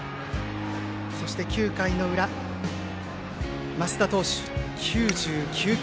そして９回裏、升田投手９９球。